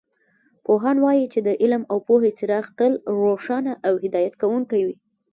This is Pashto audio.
پوهان وایي چې د علم او پوهې څراغ تل روښانه او هدایت کوونکې وي